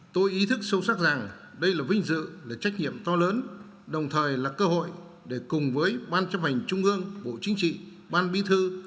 tôi ý thức sâu sắc rằng đây là vinh dự là trách nhiệm to lớn đồng thời là cơ hội để cùng với ban chấp hành trung ương bộ chính trị ban bí thư